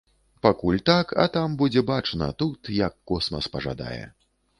Пакуль так, а там будзе бачна, тут як космас пажадае.